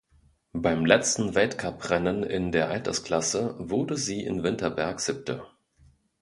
Beim letzten Weltcuprennen in der Altersklasse wurde sie in Winterberg Siebte.